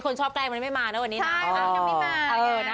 คนชอบแกล้งมันไม่มานะวันนี้นะ